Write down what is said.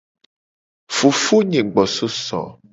Fofonye gbo so eso.